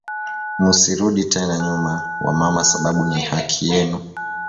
Musi rudi tena nyuma wa mama sababu ni haki yenu